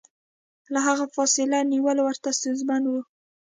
له هغه فاصله نیول ورته ستونزمن و.